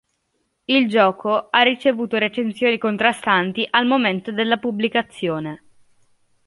Il gioco ha ricevuto recensioni contrastanti al momento della pubblicazione.